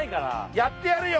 やってやるよ！